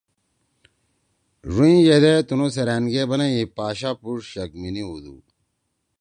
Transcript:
ڙُوئں ییدے تنُو سیرأن گے بنَئی پاشا پُوڙ شکمینی ہودُو۔